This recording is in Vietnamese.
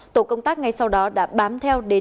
tổ công tác ngay sau đó đã đưa tài xế đến phương tiện